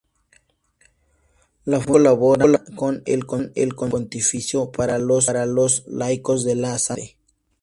La Fundación colaborará con el Consejo Pontificio para los Laicos de la Santa Sede.